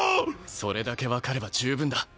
それだけ分かれば十分だ。